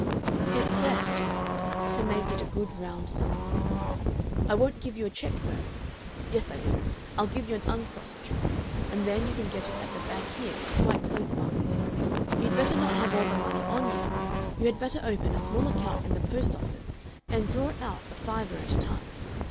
"It's best," he said, "to make it a good round sum. "I won't give you a check though Yes, I will. I'll give you an uncrossed check, and then you can get it at the bank here, quite close by.... You'd better not have all the money on you; you had better open a small account in the post office and draw it out a fiver at a time.